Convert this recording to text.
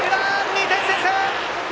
２点先制！